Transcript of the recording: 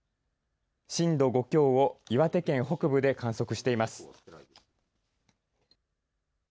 震度５強を岩手県北部で観測しています。